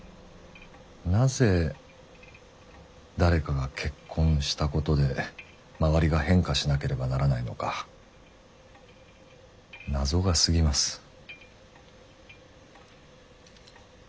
なぜ誰かが結婚したことで周りが変化しなければならないのか謎がすぎます。